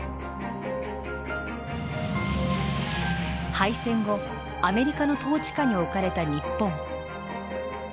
敗戦後アメリカの統治下に置かれた日本。